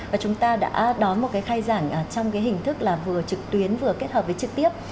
và chúng ta đã đón một khai giảng trong hình thức vừa trực tuyến vừa kết hợp với trực tiếp